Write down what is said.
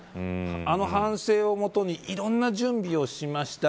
あの反省をもとにいろんな準備をしました。